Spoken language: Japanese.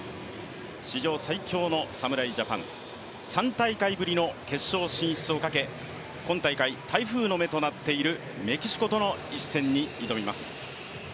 史上最強の侍ジャパン、３大会ぶりの決勝進出をかけ今大会、台風の目となっているメキシコとの一戦に挑みます。